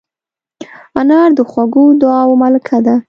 انا د خوږو دعاوو ملکه ده